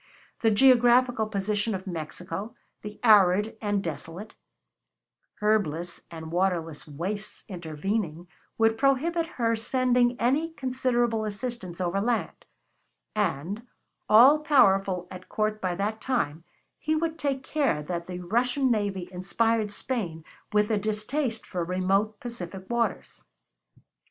The geographical position of Mexico, the arid and desolate, herbless and waterless wastes intervening, would prohibit her sending any considerable assistance overland; and, all powerful at court by that time, he would take care that the Russian navy inspired Spain with a distaste for remote Pacific waters.